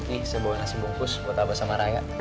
ini sebuah nasi bungkus buat abah sama raya